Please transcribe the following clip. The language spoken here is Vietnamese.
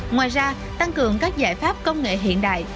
ngoài ra tăng cường các giải pháp công nghệ hiện đại